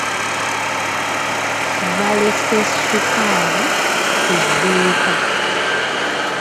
Baleese ssukaali ku dduuka.